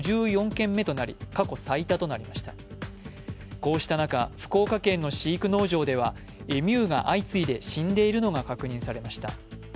こうした中、福岡県の飼育農場ではエミューが相次いで死んでいるのが確認されました。